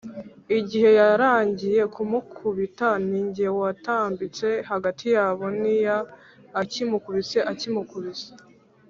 Igihe yaragiye kumukubita ni jye witambitse hagati yabo ntiya akimukubise akimukubise